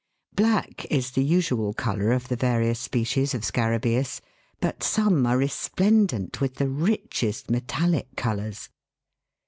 Black is the usual colour of the various species of Scarabaeus, but some are resplendent with the richest metallic colours.